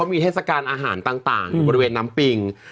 มันมีเทศกาลอาหารต่างบริเวณน้ำปิ้ง